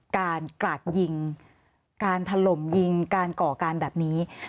กราดยิงการถล่มยิงการก่อการแบบนี้